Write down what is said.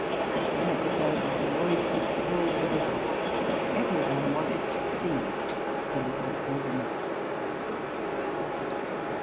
"When it was over, the noise was still greater, for every one wanted to see the little organist."